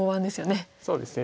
そうですね。